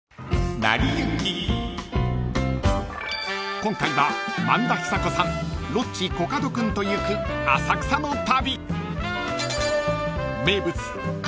［今回は萬田久子さんロッチコカド君と行く浅草の旅］